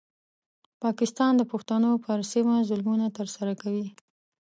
پاکستان د پښتنو پر سیمه ظلمونه ترسره کوي.